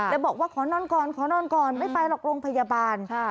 และบอกว่าขอนอนก่อนไม่ไปหรอกโรงพยาบาล